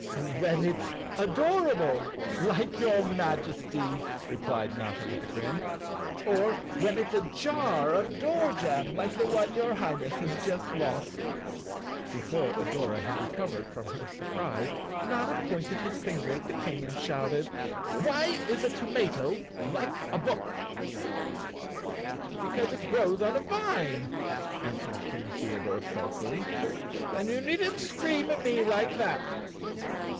"When it's adorable, like your Majesty," replied Notta with a grin. " Or when it's a jar of door jam, like the one your Highness has just lost!" Before Adora had recovered from her surprise, Notta 85 The Cowardly Lion of Oz _ pointed his finger at the King and shouted, "Why is a tomato like a book?" "Because it grows on a vine," answered King The¬ odore sulkily, "and you needn't scream at me like that!